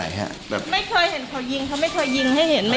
ไม่เคยเห็นเขายิง